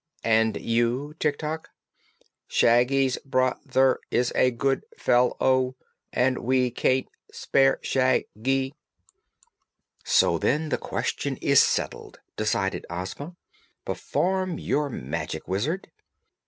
"And you, Tik Tok?" "Shag gy's broth er is a good fel low, and we can't spare Shag gy." "So, then; the question is settled," decided Ozma. "Perform your magic, Wizard!"